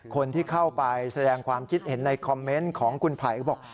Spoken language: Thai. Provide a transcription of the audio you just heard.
คนที่เข้าไปแสดงความคิดเห็นในคอมเมนต์ของคุณไผ่ก็บอก